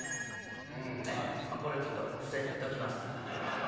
まぁこれちょっと伏せときます。